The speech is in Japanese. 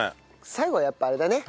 最後はやっぱあれだね。